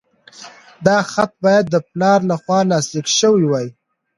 دا خط باید د پلار لخوا لاسلیک شوی وای.